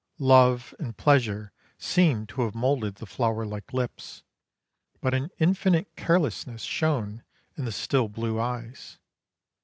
Love and pleasure seemed to have moulded the flower like lips; but an infinite carelessness shone in the still blue eyes.